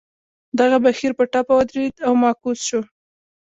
دغه بهیر په ټپه ودرېد او معکوس شو.